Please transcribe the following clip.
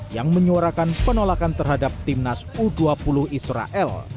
yang menyuarakan penolakan terhadap timnas u dua puluh israel